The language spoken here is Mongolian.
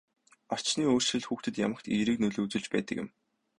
Орчны өөрчлөлт хүүхдэд ямагт эерэг нөлөө үзүүлж байдаг юм.